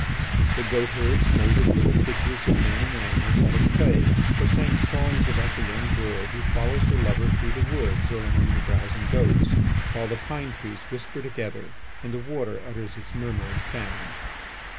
The goat herds moulded little figures of men and animals out of clay, or sang songs about the young girl who follows her lover through woods or among the browsing goats while the pine trees whisper together and the water utters its murmuring sound.